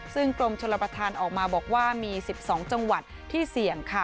ซึ่งกรมชลประธานออกมาบอกว่ามี๑๒จังหวัดที่เสี่ยงค่ะ